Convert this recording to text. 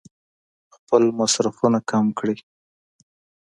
خپل مصرفونه کم کړي.